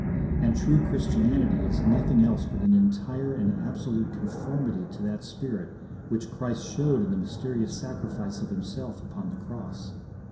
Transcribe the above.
And true Christianity is nothing else but an entire and absolute conformity to that spirit which Christ showed in the mysterious sacrifice of Himself upon the cross.